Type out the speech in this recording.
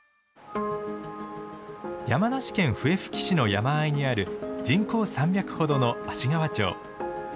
山梨県笛吹市の山あいにある人口３００ほどの芦川町。